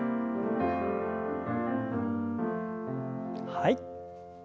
はい。